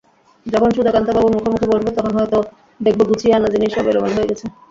যখন সুধাকান্তবাবুর মুখোমুখি বসব তখন হয়তো দেখব গুছিয়ে-আনা জিনিস সব এলেমেলো হয়ে গেছে।